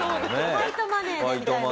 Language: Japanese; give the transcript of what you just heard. ファイトマネーでみたいな。